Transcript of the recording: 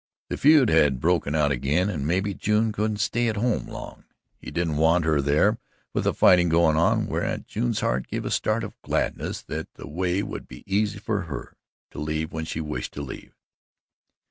The feud had broken out again and maybe June couldn't stay at home long. He didn't want her there with the fighting going on whereat June's heart gave a start of gladness that the way would be easy for her to leave when she wished to leave.